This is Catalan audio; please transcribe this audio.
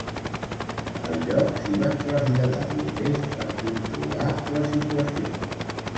Al lloc, s'hi van traslladar bombers per controlar la situació.